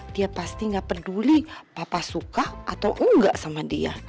dia pasti nggak peduli papa suka atau enggak sama dia